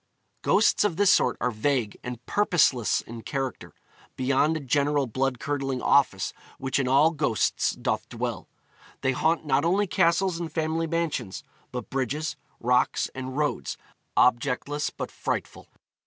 Ghosts of this sort are vague and purposeless in character, beyond a general blood curdling office which in all ghosts doth dwell. They haunt not only castles and family mansions, but bridges, rocks, and roads, objectless but frightful.